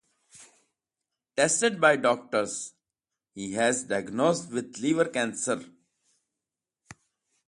Tested by doctors, he was diagnosed with liver cancer.